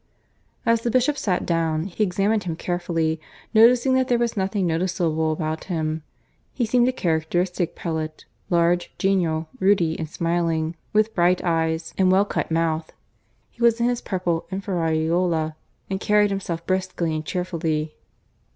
As the Bishop sat down, he examined him carefully, noticing that there was nothing noticeable about him. He seemed a characteristic prelate large, genial, ruddy and smiling, with bright eyes and well cut mouth. He was in his purple and ferraiuola, and carried himself briskly and cheerfully.